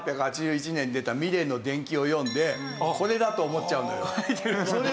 １８８１年に出たミレーの伝記を読んでこれだと思っちゃうのよ。